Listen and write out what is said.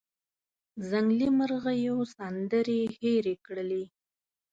ځنګلي مرغېو سندرې هیرې کړلې